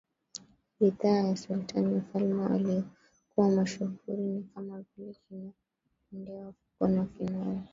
ridhaa ya Sultani MfalmeWaliokuwa mashuhuri ni kama vile kina Mndewa Fuko wa Kinole